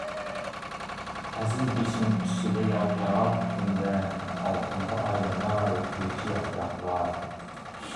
ئەزىز بېشىڭ ئۈستىدە يالتىراپ كۈندە، ئالتۇنغا ئايلىنار كۈيچى ياپراقلار.